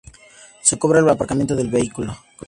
Se cobra el aparcamiento del vehículo.